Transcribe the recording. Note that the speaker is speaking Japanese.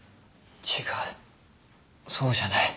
違うそうじゃない。